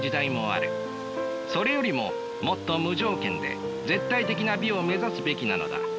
それよりももっと無条件で絶対的な美を目指すべきなのだ。